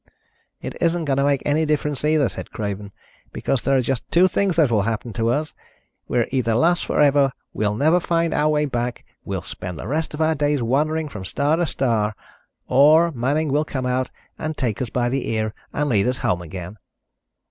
"It isn't going to make any difference either," said Craven. "Because there are just two things that will happen to us. We're either lost forever, will never find our way back, will spend the rest of our days wandering from star to star, or Manning will come out and take us by the ear and lead us home again."